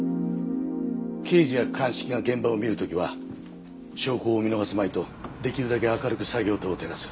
刑事や鑑識が現場を見る時は証拠を見逃すまいとできるだけ明るく作業灯を照らす。